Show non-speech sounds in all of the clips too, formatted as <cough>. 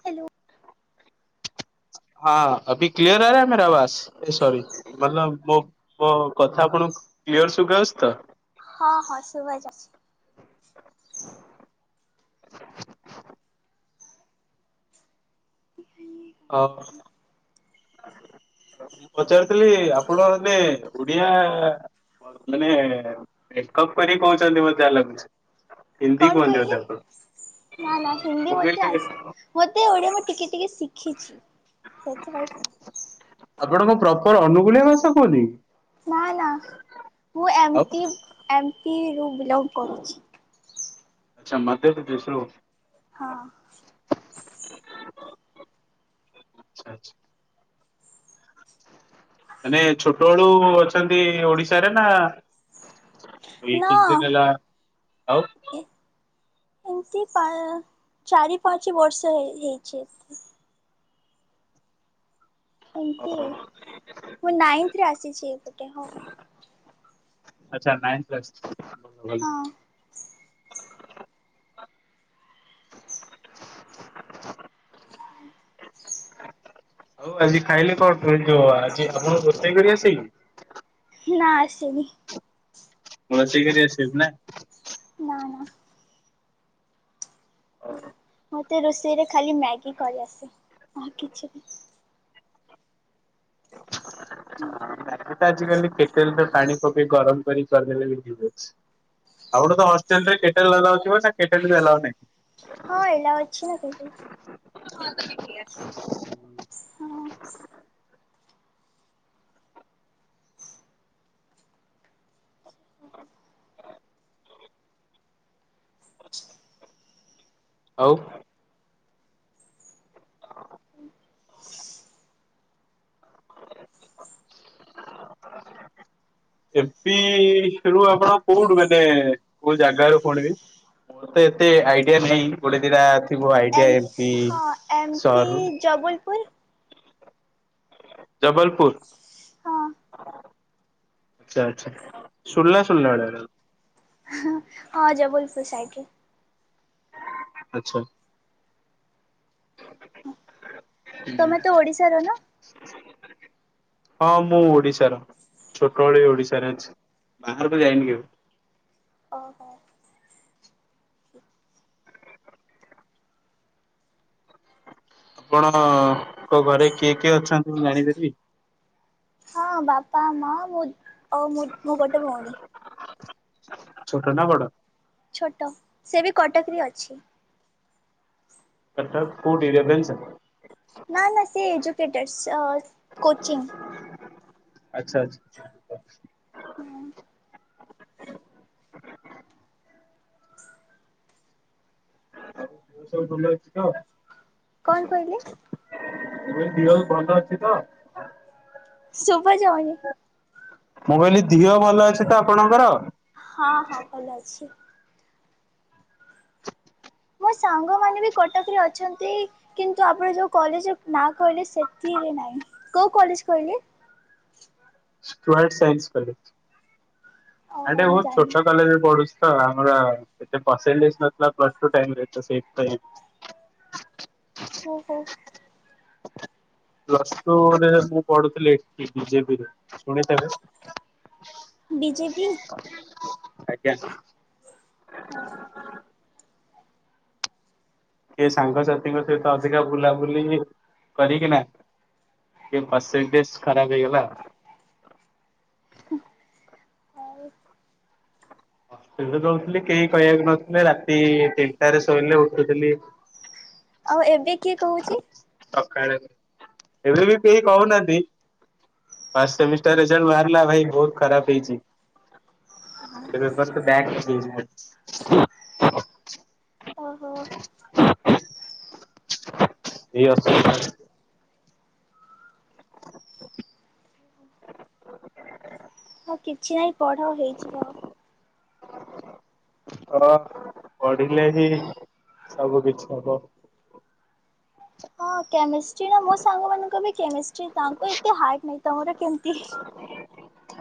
Hello. ହଁ ଅଭ clear <unintelligible> ମେରା ଆବାଜ୍ ଏ ସରି। ବାଲ ମୋ ମୋ କଥା ଆପଣଙ୍କୁ କ୍ଲିଅର ସୁଖାଉଛି ତ। ହଁ ହଁ ଶୁଭା ଯାଉଛି। ଆଉ ମୁଁ ପଚାରୁଥିଲି ଆପଣ ବେ ଓଡିଆ ମାନେ ବ୍ରେକପ୍ କରିିକି କହୁଛନ୍ତି ମତେ ଯାହା ଲାଗୁଛି। ହିନ୍ଦୀ କଣ କୁହନ୍ତି କହିଲେ? ବୋଧେ ଆପଣ? ନା ନା ହିନ୍ଦୀ ମତେ ଆସ ମତେ ଓଡିଆ ମୁଁ ଟିକେ ଟିକେ ଶିଖିଛି, ସେଥିପାଇଁ ଆପଣଙ୍କ ପ୍ରପର୍ ଅନୁଗୂଳିଆ ଭାଷା କୁହନ୍ତି। ନା ନା ମୁଁ ଆଉ ଏମ୍ତି ଏମ୍ତି ଇ ବିଲଙ୍ଗ କରୁଛି। ଆଚ୍ଛା ମାଧ୍ୟପ୍ରଦେଶରୁ ହଁ। <unintelligible> ମାନେ ଛୋଟବେଳୁ ଅଛନ୍ତି ଓଡିଶାରେ ନା ଏଇ କିଛି ଦିନ ହେଲା ଆଉ ଏମ୍ ତି ଚାରି ପାଞ୍ଚ ବର୍ଷ ହେଇ ହେଇଛି ଓ ଏମିତି, ମୁଁ ନାଇନ୍ଥରେ ଆସିଛି ଏପଟେ ହଉ ଆଚ୍ଛା ନାଇନ୍ଥ କ୍ଲାସ୍ ପ୍ <unintelligible> ହଉ ଆଜି ଖାଇଲେ କଣ <unintelligible> ଆଜି ଆପଣଙ୍କୁ ରୋଷେଇ କରି ଆସେକି? ନା ଆସେନି। ଭୋଜି କରି ଆସିବେ ନା ନା -ନା ମତେ ରୋଷେଇରେ ଖାଲି ମ୍ୟାଗି କରି ଆସେ, ଆ କିଛି ବି <unintelligible> ତ ଆଜିିକାଲି କେତେ ଲିଟର୍ ପାଣି ପକେଇ ଗରମ ପାଣି କର୍ ଦଲେ ବି ଦେଛି ଆପ ତ ହେଷ୍ଟେଲ୍ ରେ <unintelligible> ହଁ ଏଇଟା ଅଛି ନା କେଠୁ। <unintelligible> ହଁ। <inaudible> ଆଉ ଏପିରୁ ଆପଣ କୋଉଠୁ ମାନେ କୋଉ ଜାଗା ର ପୁଣିବି। ମୋର ତ ଏତେ ଆଇଡିଆ ନାହିଁ, ଗୋଟେ ଦିଟା ଥିବ ଆଇଡିଆ ଏମତି ସହର ରୁ ଜବଲପୁର୍ ଜବଲପୁର୍। ହଁ ଆଚ୍ଛା ଆଚ୍ଛା ଶୁଣନା <unintelligible> ହଁ ଜବୋଲପୁର ସାଇକେ। ଆଚ୍ଛା ତମେ ତ ଓଡିଶାର ନା ହୁଁ। ହଁ ମୁଁ ଓଡିଶାର ଛୋଟବେଳେ ଓଡିଶାରେ ଅଛି, ବାହାରକୁ ଯାଇନି କେବେ। ଓହୋ ଆପଣଙ୍କ ଘରେ କିଏ କିଏ ଅଛନ୍ତି ମୁଁ ଜାଣିପାରିବି। ହଁ ବାପା ମା ମୁଁ ଆଉ ମୁ ମୁଁ ଗୋଟେ ଭଉଣୀ। ଛୋଟ ନା ବଡ। ଛୋଟ ସେ ବି କଟକରେ ଅଛି। କଟକ କଉଟି ରେଭେନ୍ସାରେ? ନା ନା ସେ ଏଜୁକେଟେଡ ସେ କୋଚିଂ। ଆଛା ଆଛା। ହୁଁ। ସବୁ ଭଲ ଅଛି ତ? କଣ କହିଲେ? <unintelligible> ଭଲ ଅଛି ତ। ସୁବା ଯାଉନି। ମୁଁ କହିଲି ଧୀଅ ଭଲ ଅଛି ତ ଆପଣଙ୍କର? ହଁ ହଁ ଭଲ ଅଛି। ମୋ ସାଙ୍ଗ ମାନେ ବି କଟକରେ ଅଛନ୍ତି। କିନ୍ତୁ ଆପଣ ଯୋଉ କଲେଜ ନା କହିଲେ ସେଥିରେ ନାହିଁ କୋଉ କଲେଜ କହିଲେ? Stewart science college. ଓହୋ ଆଡେ ମୁଁ ବହୁତ ଜାଣିନି ଛୋଟ <unintelligible> କଲେଜେରେ ପଢୁଛି। ତ ଆମର ଏତେ ପରସେଣ୍ଟେଜ ନଥିଲା ପ୍ଲସ ଟୋ ଟେନରେ ସେଇଥିପାଇଁ ଓ ହୋ। ପ୍ଲସ ଟୋ ରେ ମୁ ପଢୁଥିଲି ଏଠି ବିଜେପିରେ ଶୁଣିଥେବେ। ବିଜେପି ଆଜ୍ଞା। ଅ ହୋ। କି ସାଙ୍ଗସାଥିଙ୍କ ସହିତ ଅଧିକା ବୁଲାବୁଲି କରିକିନା ଏ ପରସେଣ୍ଟେଜ ଖରାପ ହେଇଗଲା। ଆଉ <unintelligible> ରହୁଥିଲି କେହି କହିବାକୁ ନଥିଲେ ରାତି ତିନିଟାରେ ଶୋଇଲେ ଉଠୁଥିଲି ହ ଆଉ ଏବେ କିଏ କହୁଚି? ସକାଳେ ଏବେ ବି କେହି କହୁନାହାନ୍ତି। ଫାସ୍ ସେମିଷ୍ଟାର ରେଜଲ୍ଟ ବାହାରିଲା ଭାଇ ବହୁତ ଖରାପ ହେଇଚି। <unintelligible> ଓହୋ ହ ଏଇ ଅସୁ <inaudible> ହଉ କିଛି ନାହିଁ ପଢ ହେଇଯିବ। ହ ପଢିଲେ ହିଁ ସବୁ କିଛି ହବ। ହଁ କେମିଷ୍ଟ୍ରି ନା ମୋ ସାଙ୍ଗମାନଙ୍କ ବି କେମିଷ୍ଟ୍ରି ତାଙ୍କୁ ଏତେ ହାର୍ଡ଼ ନାହିଁ ତମର କେମିତି ହ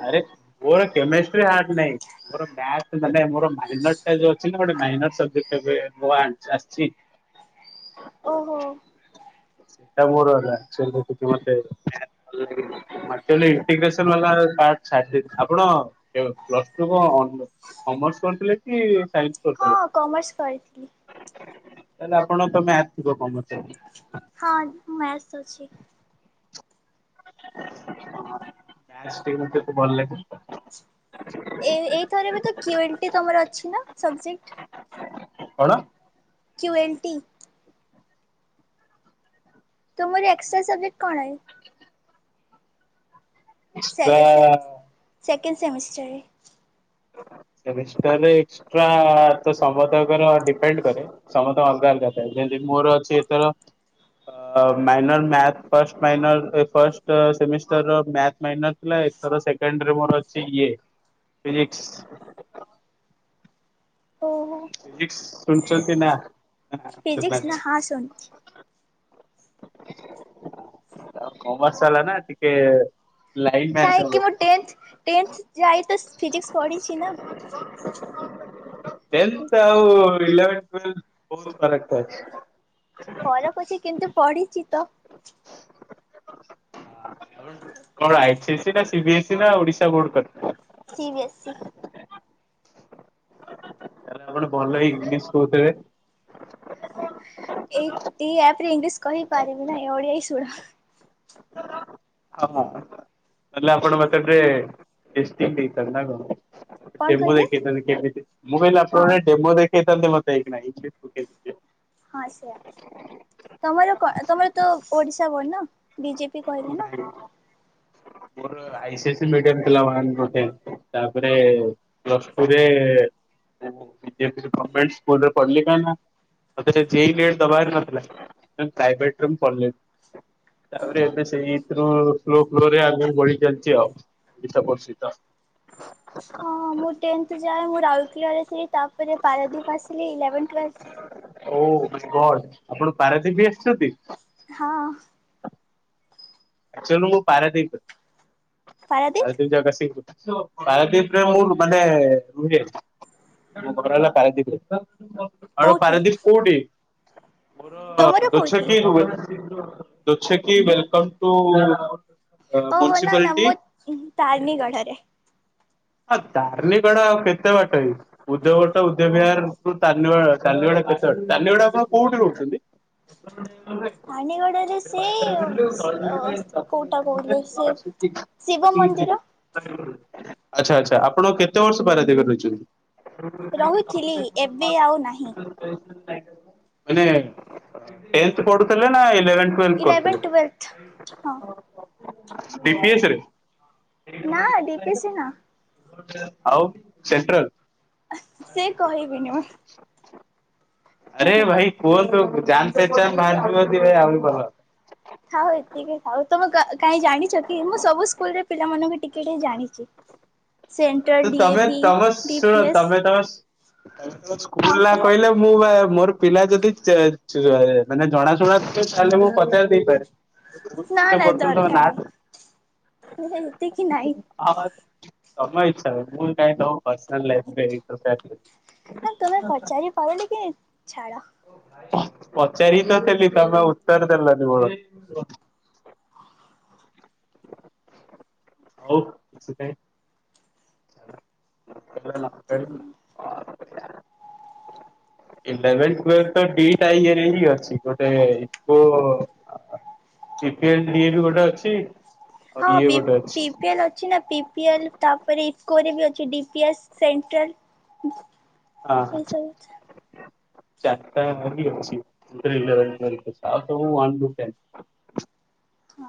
ଆରେ ବୋର କେମିଷ୍ଟ୍ରି ହାର୍ଟ ନାଇଁ ମୋର <unintelligible> ମାନେ ମୋର ମାରିନଟ ଟା ଯୋଉ ଅଛି ନା ଗୋଟେ ମାଇନ୍ସ ସବଜେକ୍ଟ ୱାନ୍ସ ଆସିଚି ଓହୋ ସେଇଟା ମୋର ହେଲା <inaudible> ଆକଚୁଆଲି ଇନ୍ଟିଗ୍ରେଶନ <unintelligible> ଆପଣ ଯୋଉ ପ୍ଲସ ଟୁ କ କମର୍ସ କରିଥିଲେ କି ସାଇନ୍ସ ହଁ କରିଥିଲେ? କମର୍ସ କରିଥିଲି। ତାହେଲେ ଆପଣ ତମେ ଆସିବ <unintelligible> ହଁ ମ୍ୟାସ୍ ଅଛି। ଷ୍ଟିମ୍ କେତେ ଭଲଲାଗେ? ଏ ଏଇଥର ବି ତୁ କ୍ୱିଲ୍ଟି ତମର ଅଛି ନା ସବଜେକ୍ଟ? କଣ? କ୍ୟୁଏଣ୍ଟି। ତୁମର ଏକ୍ସଷ୍ଟ୍ରା ସବଜେକ୍ଟ କଣ ଏ? ସେ ଏକ୍ସଟ୍ରା ସେ ସେକେଣ୍ଡ ସେମିଷ୍ଟାର। ସେମିଷ୍ଟାରରେ ଏକଷ୍ଟ୍ରା ତ ସମସ୍ତଙ୍କର ଡିପେଣ୍ଡ କରେ। ସମସ୍ତଙ୍କ ଅଲଗା ଅଲଗା ଥାଏ ଯେମିତି ମୋର ଅଛି ଏଥର। ହୁଁ ମାଇନର୍ ମ୍ୟାଥ ଫଷ୍ ମାଇନର ଏ ଫଷ୍ଟ ସେମିଷ୍ଟାର ର ମ୍ୟାଥ ମାଇନର ଏଥର ସେକେଣ୍ଡରେ ମୋର ଅଛି ଇଏ। ଫିଜିିକ୍ସ। ଓହୋ ଫିଜିକ୍ସ ଶୁଣିଚନ୍ତି ନାଁ? ଫିଜିକ୍ସ ନା ହଁ ଶୁ କମର୍ସ ବାଲା ନା ଟିକେ ଲାଇନ୍ କାହିଁକି ମୁଁ ଟେନ୍ଥ ଟେନ୍ଥ ଯାଇ ତ ଫିଜିକ୍ସ ପଢିଛି ନା। <unintelligible> ଟେନ୍ଥ ଆଉ ଇଲେବେନ୍ଥ <unintelligible> ବହୁତ୍ ଫରକ୍ ଅଛି। ଫରକ୍ ଅଛି କିନ୍ତୁ ପଢିଚି ତ। କଣ ଆଇ ସି ସି ନା ସି ବି ଏସ୍ ସି ନା Odisha board <unintelligible> C B S E. ତାହେଲେ ଆପଣ ଭଲ ଇଂଲିସ୍ କହୁଥିବେ? ଏଇ ଏଇ ଆପ୍ ରେ ଇଂଲିଶ କହିପାରିବି ନା ଓଡିଆ ହିଁ ଶୁଣ। ହଁ ନହେଲେ ଆପଣ ମତେ ଏବେ <unintelligible> ଦେଇଥାନ୍ତେ ନା କଣ? କଣ ଡେମୋ କହିଲେ? ଦେଖେଇଥାନ୍ତି କେମିତି ମୁଁ କହିଲି ହଁ ଆପଣ ଡେମୋ ଦେଖେଇଥାନ୍ତେ ମତେ ଏଇଖିଣା କିଛି। ହଁ ସେୟା ତମର କ ତମର ତ ଓଡିଶା ବୋର୍ଡ ନା ବିଜେପି କହିଲେ ନା। ମୋର ଆଇ ସି ସି ମିଡିୟମ <unintelligible> ତାପରେ ପ୍ଲସ୍ ଟୁ ରେ <unintelligible> ସ୍କୁଲ ରେ ପଢିଲି କାହିଁକି ନା ମତେ ସେ ଜେଇ ନେଟ୍ ଦବାର ନଥିଲା ତେଣୁ ପ୍ରାଇଭେଟ୍ ରେ ମୁଁ ପଡ଼ିଲିନି। ତାପରେ ଓହୋ। ଏବେ ସେଇଥିରୁ ଫ୍ଲୋ ଫ୍ଲୋ ରେ ଆଗକୁ ବଢ଼ି <unintelligible> ବିଶ୍ୱ ପ୍ରସିଦ୍ଧ। ହଁ ମୁଁ ଟେନ୍ଥ ଯାଏ ମୁଁ ରାଉଲକେଲାରେ ଥିଲି ତାପରେ ପାରାଦ୍ଵୀପ ଆସିଲି ଇଲେଭେନ୍ କ୍ଲାସ୍ ଓ ଗଡ୍ ଆପଣ ପାରାଦ୍ୱୀପ ବି ଆସିଛନ୍ତି? ହଁ। ଆକ୍ଚୁଲିରୁ ମୁଁ ପାରାଦ୍ଵୀପ ରୁ। ପାରାଦୀପ ପାରାଦ୍ଵୀପ ଜଗସିଂହପୁର। ପାରାଦ୍ଵୀପ ରେ ମୁଁ ମାନେ ରୁହେ। ମୋ ଘର ହେଲା ପାରାଦ୍ଵୀପ କୋଉଠି ରେ। ମୋର ତମର କୋଉଠି? ଦୋଛକି <unintelligible> ଦୋଛକି ୱେଲକମ୍ ଟୁ ଓହୋ ନା ନା ମୁନିସିପାଲଟି ମୋ ତାରିଣୀ ଗଡରେ। ହଁ ଦାର୍ନିକ ଟା ଆଉ କେତେ ବାଟ କି। ଉଦୟଭଟ ଉଦୟବିହାର ଉପରୁ ତର୍ନିଭା ତାର୍ନିଭା ଟା କେତେ ବାଟ ତାର୍ନିଭାଟା ଆପଣ କୋଉଠି ରହୁଛନ୍ତି? <unintelligible> ପାଣିଗଡରେ ସେ ଅ କୋଉଟା କହୁିଲେ ସେ ଶିବ ମନ୍ଦିର ଆଚ୍ଛା ଆଚ୍ଛା ଆପଣ କେତେ ବର୍ଷ <unintelligible> ରହିଛନ୍ତି? ରହୁଥିଲି ଏବେ ଆଉ ନାହିଁ ମାନେ ଟେଣ୍ଟ ପଢୁଥିଲେ ନା ଇଲେଭେନ୍? ଟୁଏଲ୍ଭ କରୁଥିଲେ? Eleven twelve D P S ରେ ନା ଡିପି ସି ନା ଆଉ ସେଣ୍ଟ୍ରାଲ? ସେ କହିବିନି ମୁଁ ଆରେ ଭାଇ କୁହନ୍ତୁ ଜାନ ପହଚାନ ବାହାରୁନ୍ତି ଭାଇ ଆ ଭଲ ଥାଉ ଏତିକି ଥାଉ ତମେ କାହିଁ ଜାଣିଛ କି ମୁଁ ସବୁ ସ୍କୁଲରେ ପିଲାମାନଙ୍କୁ ଟିକେ ଟିକେ ଜାଣିଛି। ସେଣ୍ଟ୍ରାଲ ତ ଡି ଏ ତମେ ବି ତମେ ଡି ଶୁଣ ପି ଏସ୍ ତମେ ତମେମ ତମ ସ୍କୁଲ ହଁ ନା କହ କହିଲେ ମୁଁ ବା ମୋର ପିଲା ଯଦି ମାନେ ଚ ଚା ମାନେ ଜଣାଶୁଣାଥିବ ତାହେଲେ ମୁଁ ପଚାରି ଦେଇପାରେ କୋଉ ନା ସ୍କୁଲରେ ନା ପଢୁଥିଲୁ ତମ ଦରକାର ନାଁ ନାହିଁ ଏତିକି ନାଇଁ। ହଁ ତମ ଇଛା ରେ ମୁଁ କାଇଁ ତମ ପର୍ସନିଲା ଲାଇଫ ଏଣ୍ଟର ଫାୟେ କରିବି। ତମେ ପଚାରି ପାରୁନ କି ଛାଡ ପଚାରି ତ ଥିଲି ତମେ ଉତ୍ତର ଦେଲନି ବଳ ହଉ <unintelligible> <unintelligible> <unintelligible> ଅଛି ଗୋଟେ <unintelligible> ଡିଏ ବି ଗୋଟେ ଅଛି ଆଉ ହଁ ଇଏ ପି ଗୋଟେ ପି ଅଛି ପିଏଲ୍ ଅଛି ନା ପି ପିଏଲ୍ ତାପରେ <unintelligible> ବି ଅଛି ଡି ପିଏସ୍ ସେଣ୍ଟ୍ରାଲ। ହୁଁ। ହଁ। ଚାରିଟା ବି ଅଛି ଆଉ ଗୋଟେ ଇଲେଭେନ ଟ୍ୱଇଲେ ଆଉ ସବୁ ୱରୁ ଟେନ। ହଁ।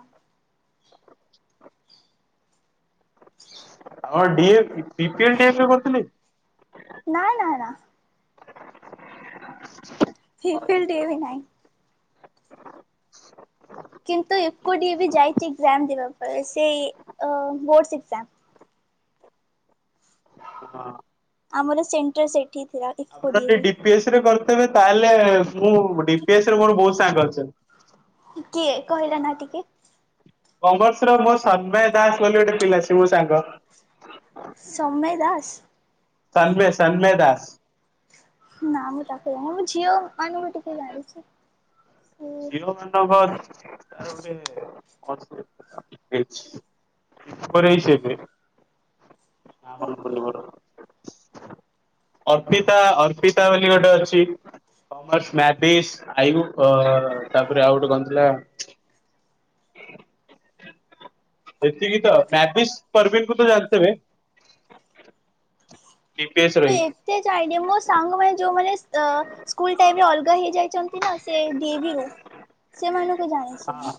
ହଁ ଡିଫ <unintelligible> ନା ନା ନା। ଫି ଫିଲ୍ <unintelligible> ନାଇଁ କିନ୍ତୁ ଏକୁଟି ବି ଯାଇଛି ଏକ୍ଜାମ ଦେବା ପରେ ସେ ବୋର୍ଡସ ଏକ୍ଜାମ। ହଁ। ଆମର ସେଣ୍ଟର ସେଇଠି ଥିଲା। ଇଫ୍କୋ ଡି ଏ ଯଦି ଭି ଡିପିଏସ୍ ରେ କରିଥବେ ତାହେଲେ ମୁଁ ଡିପିଏସ୍ ମୋର ବହୁତ ସାଙ୍ଗ ଅଛନ୍ତି। କିଏ କହିଲା ନା ଟିକେ। କମର୍ସ ର ମୋ ଶ୍ରମୟ ଦାସ ବୋଲି ଗୋଟେ ପିଲା ସେ ମୋ ସାଙ୍ଗ। ସମୟ ଦାସ। ସନ୍ମୟ ସନ୍ମୟ ଦାସ। ନା ମୁଁ ତାକୁ ଜାଣ ମୁଁ ଝିଅ ମାନଙ୍କୁ ଟିକେ ଜାଣିଛି। ସେ ଝିଅ ମାନଙ୍କ <unintelligible> ଆମର ମୁଁ ଗରିବ ଘର। <inaudible> ଅର୍ପିତା ଅର୍ପିତା ବୋଲି ଗୋଟେ ଅଛି, କମର୍ସ ମାଟିସ୍ ଆଇ ବୁକ୍ ତାପରେ ଆଉ ଗୋଟେ କଣଥିଲା। ଏତିକି ତ ମେଟିସ ପରବୀିନକୁ ତ ଜାଣିଥିବେ ଜି ପି ଏସ ରହି। ସେ ଯାଇଡି ମୁଁ ସାଙ୍ଗ ମାନେ ଯୋଉ ମାନେ ତ ସ୍କୁଲ ଟାଇମରେ ଅଲଗା ହେଇଯାଇଛନ୍ତି ନା ସେ ଡି ଏ ଭି ସେମାନଙ୍କୁ ଜାଣିଛି ମୁଁ। ହଁ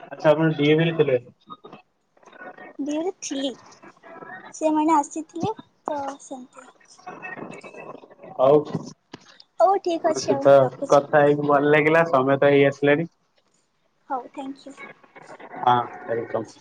ଆଚ୍ଛା ଆପଣ ଡି ଏ ଭି ରେ ଥିଲେ। ଡି ଏ ଭି ରେ ଥିଲି ସେମାନେ ଆସିଥିଲେ ତ ସେମିତି। ଆଉ ହଉ ଠିକ୍ ଆପଣଙ୍କ ଅଛି ଆଉ ସାଙ୍ଗେ ରଖୁଛି କଥା ହେଇ ଭଲ ଲାଗିଲା ସମୟ ତ ହେଇ ଆସିଲାଣି ହଉ ଥ୍ୟାଙ୍କ ୟୁ। ହଁ ୱେଲକମ୍।